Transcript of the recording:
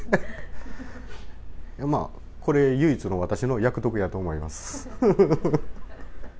まあ、これは唯一の、私の役得やと思います。